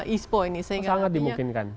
ispo ini sangat dimungkinkan